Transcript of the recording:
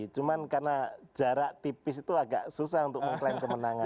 cuma karena jarak tipis itu agak susah untuk mengklaim kemenangan